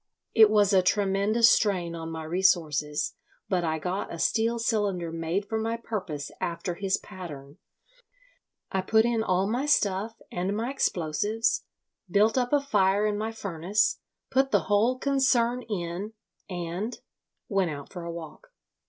It was a tremendous strain on my resources, but I got a steel cylinder made for my purpose after his pattern. I put in all my stuff and my explosives, built up a fire in my furnace, put the whole concern in, and—went out for a walk."